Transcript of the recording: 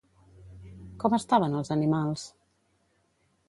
Com estaven els animals?